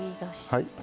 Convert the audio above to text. はい。